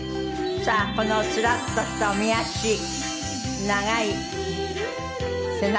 さあこのスラッとしたおみ足長い背中。